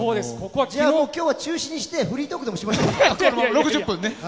じゃあ今日は中止にしてフリートークでもしましょうか。